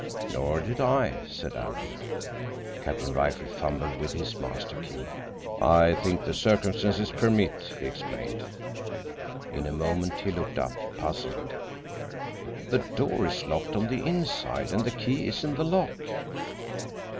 "Nor did I," said Alan. Captain Rifle fumbled with his master key. "I think the circumstances permit," he explained. In a moment he looked up, puzzled. "The door is locked on the inside, and the key is in the lock."